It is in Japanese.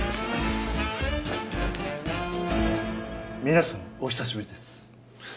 皆さんお久しぶりです。